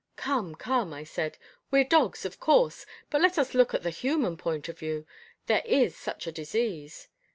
"Come, come," I said, "we're dogs of course, but let us look at the human point of view. There is such a disease."